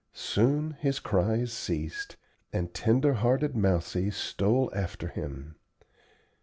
Soon his cries ceased, and tender hearted Mousie stole after him.